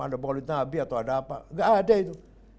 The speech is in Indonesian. ada bahwa nabi atau ada apa gak ada itu